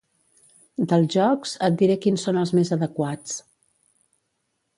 Dels jocs, et diré quins són els més adequats.